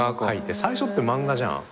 最初って漫画じゃん。